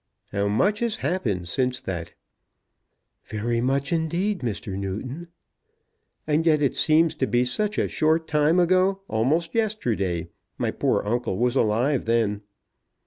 "How much has happened since that!" "Very much, indeed, Mr. Newton." "And yet it seems to be such a short time ago, almost yesterday. My poor uncle was alive then."